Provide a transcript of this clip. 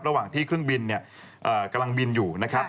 ระหว่างที่เครื่องบินกำลังบินอยู่นะครับ